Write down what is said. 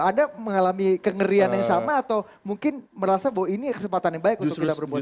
anda mengalami kengerian yang sama atau mungkin merasa bahwa ini kesempatan yang baik untuk kita berbunyi